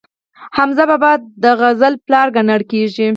حمزه بابا د غزل پلار ګڼل کیږي.